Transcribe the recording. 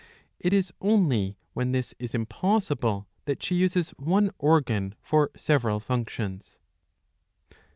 It is only when this is impossible, that she uses one organ for several functions.